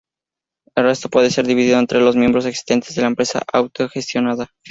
El resto puede ser dividido entre los miembros existentes de la empresa autogestionada.